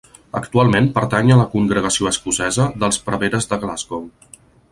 Actualment pertany a la congregació escocesa dels Preveres de Glasgow.